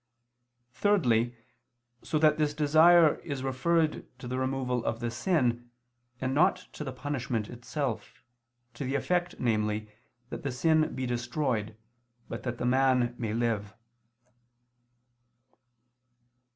Thirdly, so that this desire is referred to the removal of the sin, and not to the punishment itself, to the effect, namely, that the sin be destroyed, but that the man may live.